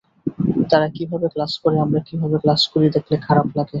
তারা কীভাবে ক্লাস করে, আমরা কীভাবে ক্লাস করি দেখলে খারাপ লাগে।